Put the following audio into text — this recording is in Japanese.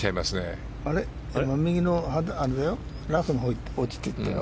右のラフのほうに落ちていったよ。